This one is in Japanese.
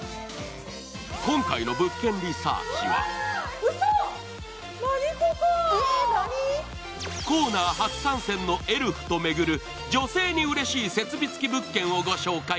今回の「物件リサーチ」はコーナー初参戦のエルフと巡る女性にうれしい設備つき物件をご紹介。